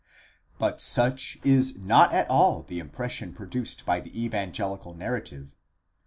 ® But such is not at all the impression produced by the evangelical narrative.